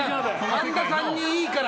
神田さんにいいから。